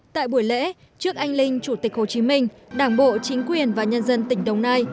tại buổi lễ trước anh linh chủ tịch hồ chí minh đảng bộ chính quyền và nhân dân tỉnh đồng nai